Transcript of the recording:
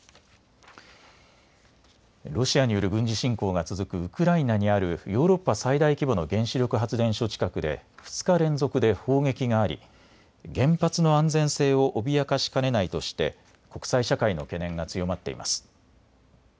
ロシアによる軍事侵攻が続くウクライナにあるヨーロッパ最大規模の原子力発電所近くで２日連続で砲撃があり原発の安全性を脅かしかねないとして国際社会の懸念が強まっています。